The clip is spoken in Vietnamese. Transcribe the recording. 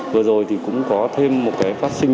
vừa rồi thì cũng có thêm một cái phát sinh